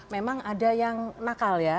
memang ada yang nakal ya